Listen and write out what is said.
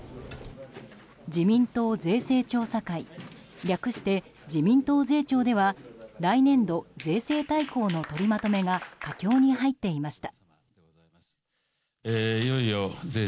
自民党税制調査会略して自民党税調では来年度税制大綱の取りまとめが佳境に入っていました。